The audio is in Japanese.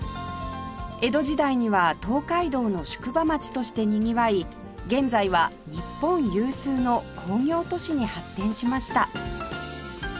江戸時代には東海道の宿場町としてにぎわい現在は日本有数の工業都市に発展しました